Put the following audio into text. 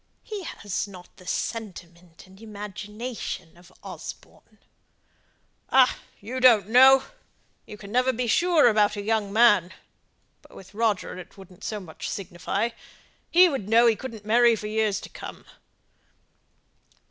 He has not the sentiment and imagination of Osborne." "Ah, you don't know; you never can be sure about a young man! But with Roger it wouldn't so much signify. He would know he couldn't marry for years to come."